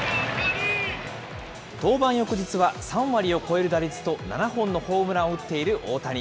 登板翌日は３割を超える打率と、７本のホームランを打っている大谷。